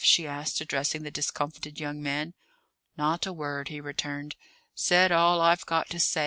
she asked, addressing the discomfited young man. "Not a word," he returned. "Said all I've got to say.